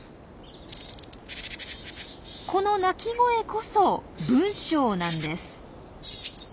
この鳴き声こそ文章なんです。